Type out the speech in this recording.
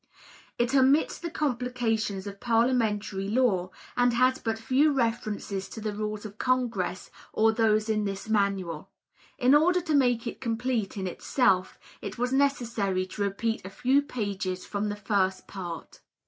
It omits the complications of parliamentary law, and has but few references to the rules of Congress, or those in this Manual. In order to make it complete in itself, it was necessary to repeat a few pages from the first part.